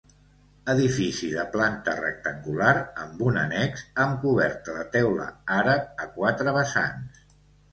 Edifici de planta rectangular amb un annex, amb coberta de teula àrab a quatre vessants.